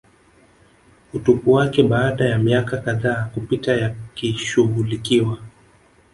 utupu wake baada ya miaka kadhaa kupita yakishughulikiwa